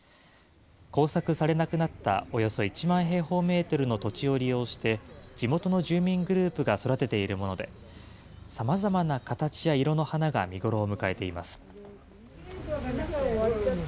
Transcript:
耕作されなくなったおよそ１万平方メートルの土地を利用して、地元の住民グループが育てているもので、さまざまな形や色の花が見頃を迎えています。